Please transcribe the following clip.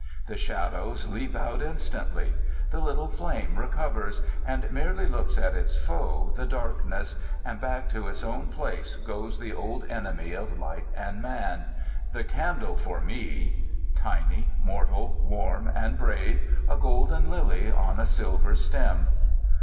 The shadows leap out instantly. The little flame recovers, and merely looks at its foe the darkness, and back to its own place goes the old enemy of light and man. The candle for me, tiny, mortal, warm, and brave, a golden lily on a silver stem!